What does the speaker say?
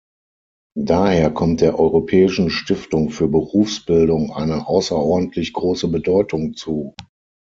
Daher kommt der Europäischen Stiftung für Berufsbildung eine außerordentlich große Bedeutung zu.